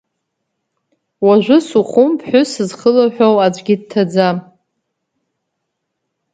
Уажәы Сухуми ԥҳәыс зхылаҳәоу аӡәгьы дҭаӡам.